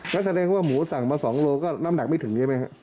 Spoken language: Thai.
แล้วแสดงว่าหมูสั่งมา๒โลก็น้ำหนักไม่ถึงใช่ไหมครับ